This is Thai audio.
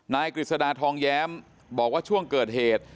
กฤษฎาทองแย้มบอกว่าช่วงเกิดเหตุ